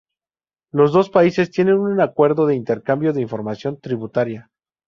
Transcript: Los dos países tienen un Acuerdo de Intercambio de Información Tributaria.